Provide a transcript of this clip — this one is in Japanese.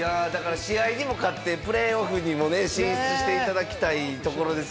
試合に向かってプレーオフに進出していただきたいところです。